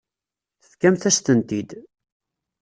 Tefkamt-as-tent-id.